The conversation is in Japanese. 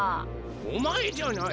おまえじゃない！